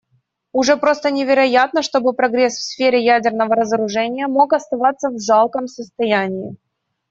Уже просто невероятно, чтобы прогресс в сфере ядерного разоружения мог оставаться в жалком состоянии.